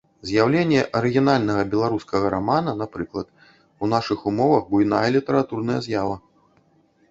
З'яўленне арыгінальнага беларускага рамана, напрыклад, у нашых умовах буйная літаратурная з'ява.